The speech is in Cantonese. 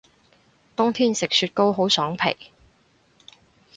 冬天食雪糕好爽皮